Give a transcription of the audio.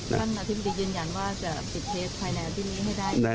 นั่นอาทิตย์บียืนยันว่าจะปิดเทสภายในตรงนี้ให้ได้